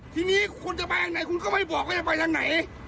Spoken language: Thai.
ที่นี่คนจะไปไหนคุณก็ไม่บอกคุณจะไปไหน